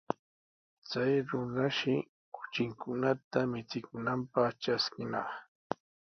Chay runashi kuchinkunata michinanpaq traskinaq.